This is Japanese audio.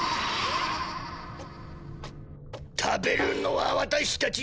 食べるのはワタシたち。